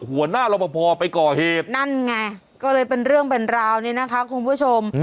หัวหน้ารอปภไปก่อเหตุนั่นไงก็เลยเป็นเรื่องเป็นราวเนี่ยนะคะคุณผู้ชม